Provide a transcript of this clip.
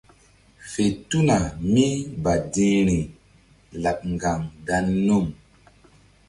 Fe tuna mí badi̧hri laɓ ŋgaŋ dan num.